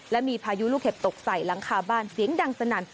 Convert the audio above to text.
และมีพายุลูกเห็บตกใส่หลังคาบ้านเสียงดังสนั่น